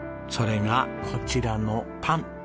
それがこちらのパン。